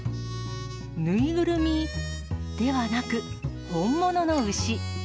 縫いぐるみ？ではなく、本物の牛。